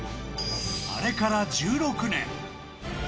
あれから１６年。